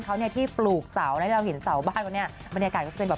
หรือลูกเนี่ยเขาไม่ว่าอีกแล้ว